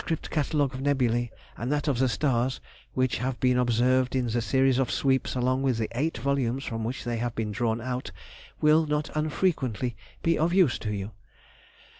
Catalogue of Nebulæ and that of the stars, which have been observed in the series of sweeps along with the eight volumes from which they have been drawn out, will not unfrequently be of use to you.